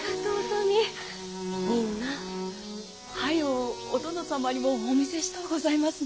早うお殿様にもお見せしとうございますね！